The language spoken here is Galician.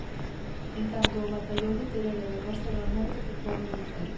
En canto ao batallón literario da Costa da Morte que podo dicir.